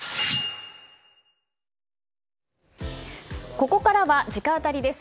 ここからは直アタリです。